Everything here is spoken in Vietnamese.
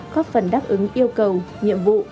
có phần đáp ứng yêu cầu nhiệm vụ